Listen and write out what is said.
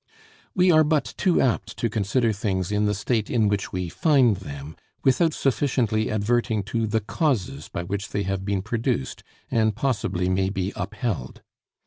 We are but too apt to consider things in the state in which we find them, without sufficiently adverting to the causes by which they have been produced and possibly may be upheld.